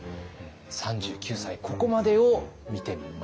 ３９歳ここまでを見てまいりました。